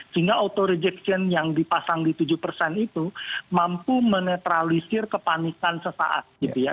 sehingga auto rejection yang dipasang di tujuh persen itu mampu menetralisir kepanikan sesaat gitu ya